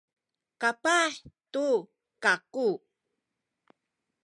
kapah tu kaku